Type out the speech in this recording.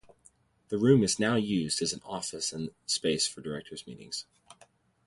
The room is now used as an office and space for directors' meetings.